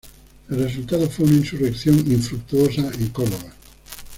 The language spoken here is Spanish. El resultado fue una insurrección infructuosa en Córdoba.